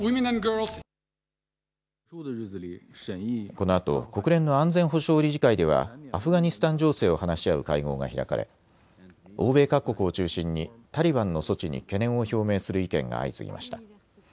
このあと国連の安全保障理事会ではアフガニスタン情勢を話し合う会合が開かれ欧米各国を中心にタリバンの措置に懸念を表明する意見が相次ぎました。